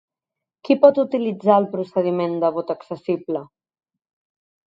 Qui pot utilitzar el procediment de vot accessible?